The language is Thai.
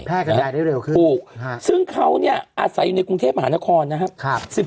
กระจายได้เร็วขึ้นถูกซึ่งเขาเนี่ยอาศัยอยู่ในกรุงเทพมหานครนะครับ